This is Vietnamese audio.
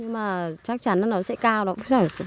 nhưng mà chắc chắn là nó sẽ cao lắm